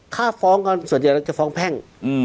ถ้าฟ้องกันส่วนใหญ่เราจะฟ้องแพ่ง